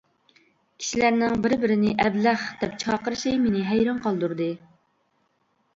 كىشىلەرنىڭ بىر-بىرىنى «ئەبلەخ» دەپ چاقىرىشى مېنى ھەيران قالدۇردى.